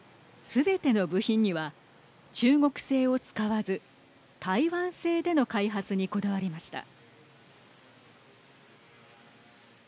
すべての部品には中国製を使わず台湾製での開発にこだわりました。